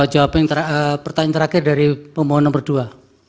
jawab pertanyaan terakhir dari pembawa nomor dua